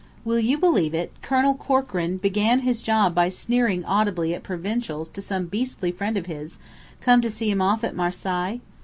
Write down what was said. Will you believe it, Colonel Corkran began his job by sneering audibly at 'provincials' to some beastly friend of his, come to see him off at Marseilles?